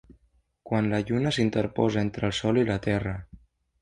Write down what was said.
Quan la Lluna s'interposa entre el Sol i la Terra.